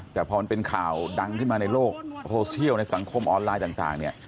แต่พอมันเป็นข่าวดังขึ้นมาในโลกโซเชียลในสังคมออนไลน์ต่างเนี่ย